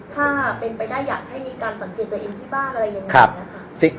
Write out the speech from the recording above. ถ้าเป็นไปได้อยากให้มีการสังเกตตัวเองที่บ้านอะไรยังไงนะคะ